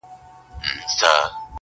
يو څو زلميو ورته هېښ کتله!!